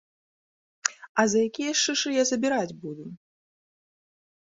А за якія ж шышы я забіраць буду?!